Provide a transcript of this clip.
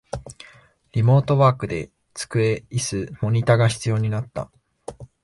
リモートワークで机、イス、モニタが必要になった